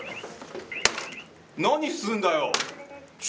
何すんだよ！